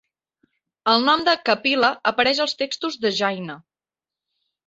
El nom de Kapila apareix als textos de Jaina.